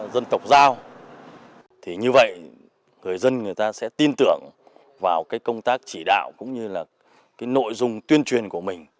dân tộc giao thì như vậy người dân người ta sẽ tin tưởng vào cái công tác chỉ đạo cũng như là cái nội dung tuyên truyền của mình